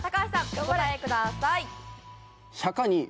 お答えください。